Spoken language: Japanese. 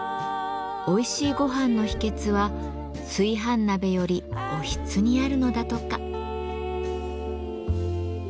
おいしいごはんの秘けつは炊飯鍋よりおひつにあるのだとか。